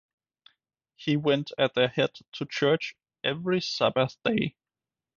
He went at their head to church every Sabbath day.